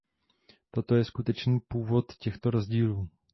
Toto je skutečný původ těchto rozdílů.